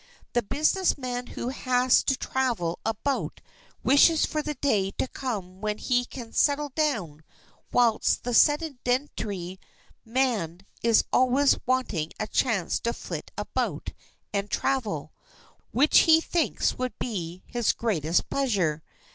The business man who has to travel about wishes for the day to come when he can "settle down," whilst the sedentary man is always wanting a chance to flit about and travel, which he thinks would be his greatest pleasure.